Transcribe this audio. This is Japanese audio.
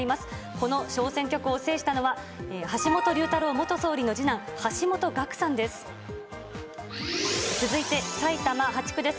この小選挙区を制したのは、橋本龍太郎元総理の次男、橋本岳さんです。